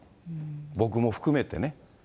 僕も含めてね。